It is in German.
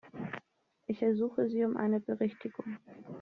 Ich ersuche Sie um eine Berichtigung.